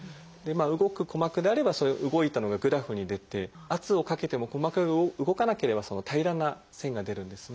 動く鼓膜であれば動いたのがグラフに出て圧をかけても鼓膜が動かなければ平らな線が出るんですね。